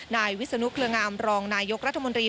นายวิศนุเครืองามรองนายกรัฐมนตรี